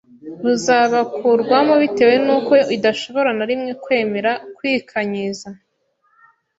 buzabakurwamo bitewe n’uko idashobora na rimwe kwemera kwikanyiza.